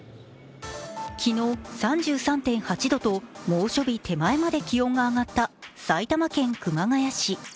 昨日、３３．８度と猛暑日手前まで気温が上がった埼玉県熊谷市。